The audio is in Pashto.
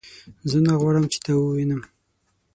زه نه غواړم چې تا ووینم